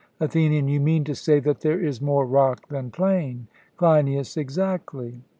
ATHENIAN: You mean to say that there is more rock than plain? CLEINIAS: Exactly.